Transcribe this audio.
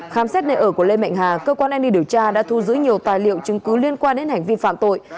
khám xét nơi ở của lê mạnh hà cơ quan an ninh điều tra đã thu giữ nhiều tài liệu chứng cứ liên quan đến hành vi phạm tội